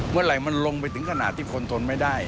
เมื่อไหร่มันลงไปถึงขนาดที่คนทนไม่ได้